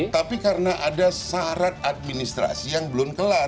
tapi karena ada syarat administrasi yang belum kelar